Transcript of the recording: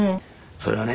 それがね